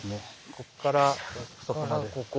ここからそこまで。